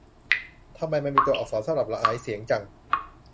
ทำไมมันมีตัวอักษรสำหรับหลายเสียงจัง